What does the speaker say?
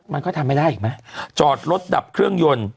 มันก็ทำไม่ได้อีกไหมจอดรถดับเครื่องยนต์